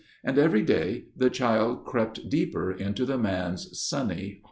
And every day the child crept deeper into the man's sunny heart.